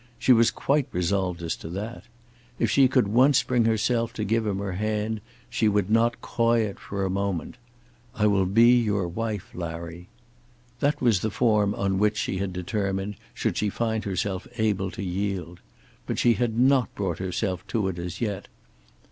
She was quite resolved as to that. If she could once bring herself to give him her hand, she would not coy it for a moment. "I will be your wife, Larry." That was the form on which she had determined, should she find herself able to yield. But she had not brought herself to it as yet.